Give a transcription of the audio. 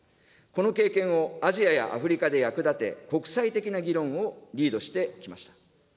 この経験をアジアやアフリカで役立て、国際的な議論をリードしてきました。